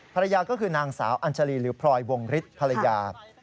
ภรรยาก็คือนางสาวอัญชาลีหรือพลอยวงฤทธิ์ภรรยา